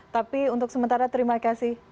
tapi untuk sementara terima kasih